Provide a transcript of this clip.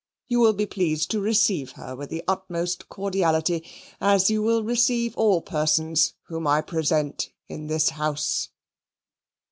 You will be pleased to receive her with the utmost cordiality, as you will receive all persons whom I present in this house.